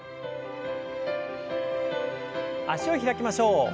脚を開きましょう。